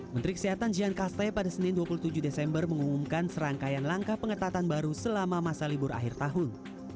menteri kesehatan jian kaste pada senin dua puluh tujuh desember mengumumkan serangkaian langkah pengetatan baru selama masa libur akhir tahun